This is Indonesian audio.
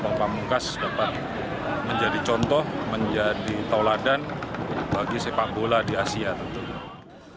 bang pamungkas dapat menjadi contoh menjadi tauladan bagi sepak bola di asia tentunya